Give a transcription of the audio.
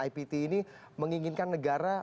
yang menginginkan negara